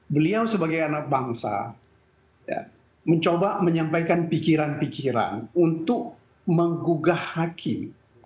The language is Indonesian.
beliau sebagai anak bangsa mencoba menyampaikan pikiran pikiran untuk menggugah hakim